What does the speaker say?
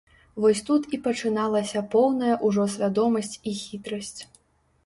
Вось тут і пачыналася поўная ўжо свядомасць і хітрасць.